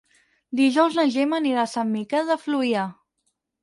Dijous na Gemma anirà a Sant Miquel de Fluvià.